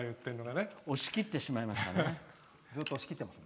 押し切ってしまいました。